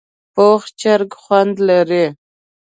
پوخ چرګ خوند لري